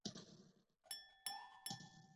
غوږونه له ژړا سره نرمه غږ غواړي